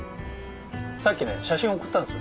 さっき写真送ったんですよ。